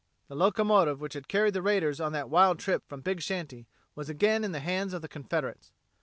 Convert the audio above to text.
The locomotive which had carried the raiders on that wild trip from Big Shanty was again in the hands of the Confederates.